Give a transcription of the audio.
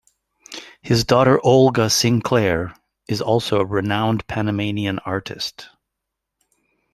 His daughter Olga Sinclair is also a renowned Panamanian artist.